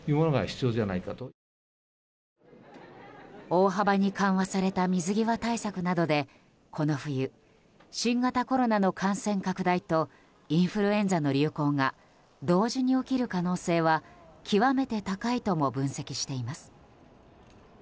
大幅に緩和された水際対策などでこの冬、新型コロナの感染拡大とインフルエンザの流行が同時に起きる可能性は極めて高いとも分析しています。